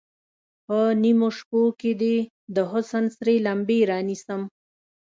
په نیمو شپو کې دې، د حسن سرې لمبې رانیسم